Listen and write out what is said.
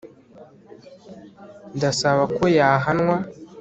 ndasaba ko yahanwa